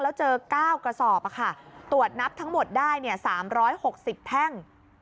แล้วเจอ๙กระสอบตรวจนับทั้งหมดได้๓๖๐แท่ง